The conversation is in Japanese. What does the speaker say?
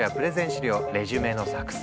資料レジュメの作成